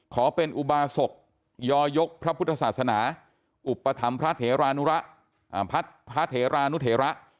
ขอเป็นอุบาศกยยกพระพุทธศาสนาอุปถรรมพระเถระนุเถระ